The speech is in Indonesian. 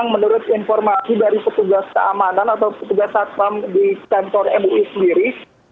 menurut informasi dari petugas keamanan atau petugas satpam di kantor mui sendiri